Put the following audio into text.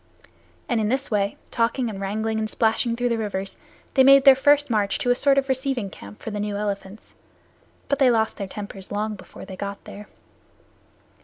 And in this way, talking and wrangling and splashing through the rivers, they made their first march to a sort of receiving camp for the new elephants. But they lost their tempers long before they got there.